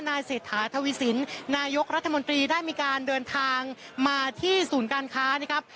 เศรษฐาทวีสินนายกรัฐมนตรีได้มีการเดินทางมาที่ศูนย์การค้านะครับ